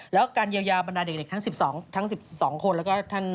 แล้วก็การเยียวยาวบรรดาเด็กทั้ง๑๒คน